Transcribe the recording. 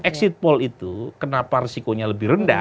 exit poll itu kenapa risikonya lebih rendah